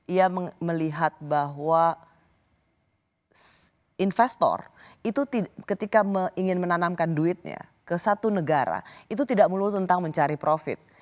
ia melihat bahwa investor itu ketika ingin menanamkan duitnya ke satu negara itu tidak melulu tentang mencari profit